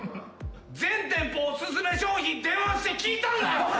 全店舗おすすめ商品電話して聞いたんだよ！